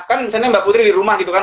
kan misalnya mbak putri di rumah gitu kan